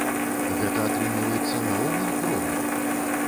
Гэта, атрымліваецца, наогул прорва?